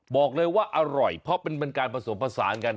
บอกเลยว่าอร่อยเพราะเป็นการผสมผสานกัน